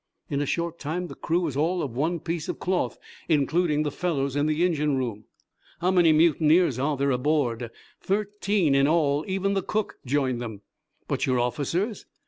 In a short time the crew was all of one piece of cloth, including the fellows in the engine room." "How many mutineers are there aboard?" "Thirteen, in all. Even the cook joined them." "But your officers?"